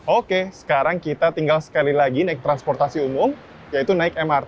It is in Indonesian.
oke sekarang kita tinggal sekali lagi naik transportasi umum yaitu naik mrt